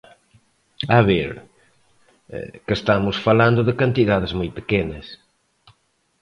A ver, que estamos falando de cantidades moi pequenas.